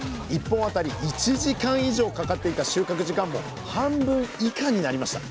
１本当たり１時間以上かかっていた収穫時間も半分以下になりました